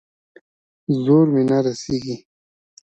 زور مې نه رسېږي.